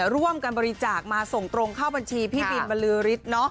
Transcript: ร่วมกันบริจาคมาส่งตรงเข้าบัญชีพี่บินบรือฤทธิ์